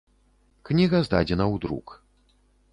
Кніга здадзена ў друк.